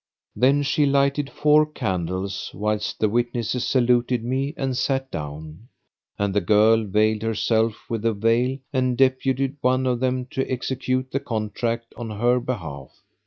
Then she lighted four candles, whilst the witnesses saluted me and sat down; and the girl veiled herself with the veil and deputed one of them to execute the contract on her behalf.